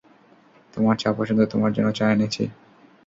তোমার চা পছন্দ, তোমার জন্য চা এনেছি।